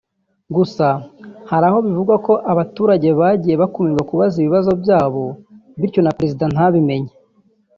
Gusa hari aho bivugwa ko abaturage bagiye bakumirwa kubaza ibibazo byabo bityo na Perezida ntabimenye